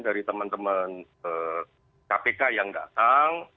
dari teman teman kpk yang datang